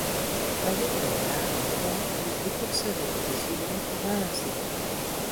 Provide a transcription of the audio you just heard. Wy hjitte dy graach wolkom op ús wyklikse repetysjejûn op woansdei.